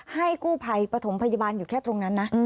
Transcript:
ให้กู้ภัยปฐมพยาบาลอยู่แค่ตรงนั้นนะ